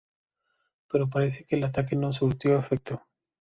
Pero parece que el ataque no surtió efecto.